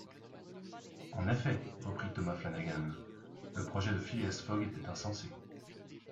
En effet, reprit Thomas Flanagan, le projet de Phileas Fogg était insensé.